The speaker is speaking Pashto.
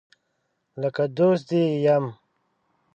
لکه دوست دي یم